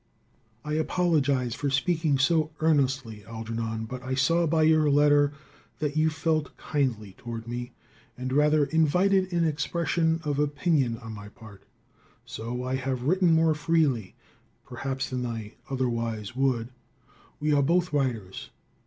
I apologize for speaking so earnestly, Algernon, but I saw by your letter that you felt kindly toward me, and rather invited an expression of opinion on my part. So I have written more freely, perhaps, than I otherwise would. We are both writers.